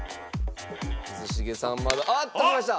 一茂さんまだおっときました！